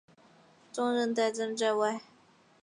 众人呆站在外